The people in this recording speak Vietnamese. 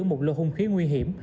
một lô hùng khí nguy hiểm